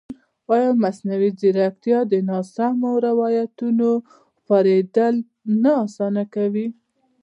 ایا مصنوعي ځیرکتیا د ناسمو روایتونو خپرېدل نه اسانه کوي؟